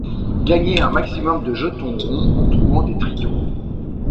Gagner un maximum de jetons ronds en trouvant des trios.